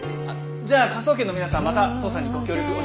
あっじゃあ科捜研の皆さんまた捜査にご協力